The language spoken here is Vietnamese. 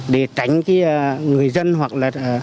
để tránh người dân hoặc là